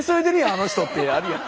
あの人ってあるやん。